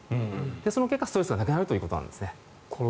その結果、ストレスがなくなるということです。